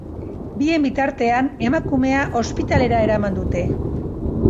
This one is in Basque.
Bien bitartean, emakumea ospitalera eraman dute.